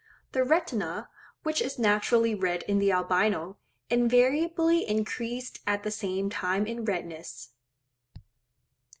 The retina, which is naturally red in the Albino, invariably increased at the same time in redness.